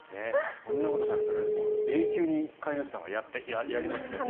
こんなことされたら永久に飼い主さんはやりますね。